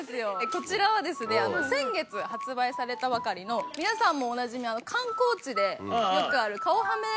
こちらはですね先月発売されたばかりの皆さんもおなじみ観光地でよくある顔はめパネル。